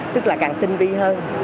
tức là càng tinh vi hơn